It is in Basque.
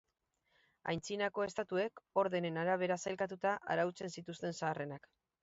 Antzinako Estatuek, ordenen arabera sailkatuta, arautzen zituzten zaharrenak.